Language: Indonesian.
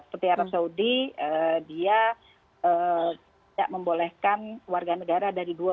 seperti arab saudi dia tidak membolehkan warga negara dari dua